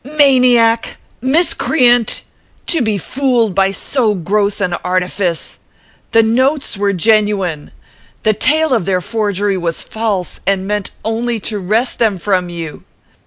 "Maniac! Miscreant! To be fooled by so gross an artifice! The notes were genuine. The tale of their forgery was false and meant only to wrest them from you.